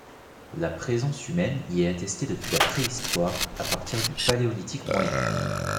La présence humaine y est attestée depuis la Préhistoire, à partir du Paléolithique moyen.